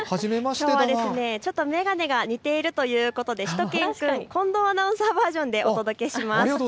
きょうはちょっと眼鏡が似ているということでしゅと犬くん、近藤アナウンサーバージョンでお届けします。